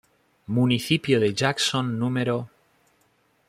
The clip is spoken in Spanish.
Municipio de Jackson No.